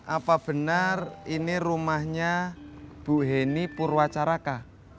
apa benar ini rumahnya bu heni purwacaraka